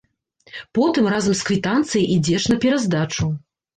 Потым разам з квітанцыяй ідзеш на пераздачу.